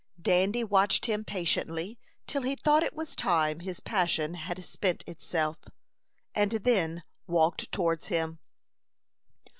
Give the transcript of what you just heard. Dandy watched him patiently till he thought it was time his passion had spent itself, and then walked towards him.